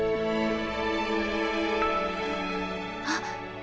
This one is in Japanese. あっ。